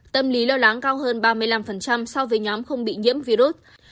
tâm lý lo lắng cao hơn ba mươi năm so với nhóm không bị nhiễm virus